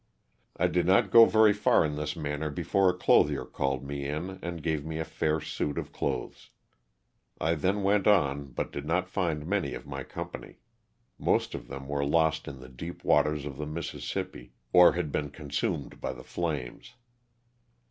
I did not go very far in this manner before a clothier called me in and gave me a fair suit of clothes. I then went on but did not find many of my company; most of them were lost in the deep waters of the Mississippi or had been con sumed by the flames.